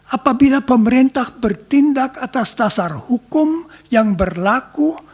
apabila pemerintah bertindak atas dasar hukum yang berlaku